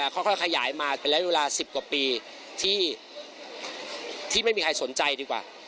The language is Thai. ข้อขยายมาเป็นจากปีที่ไม่มีใครสนใจดีกว่า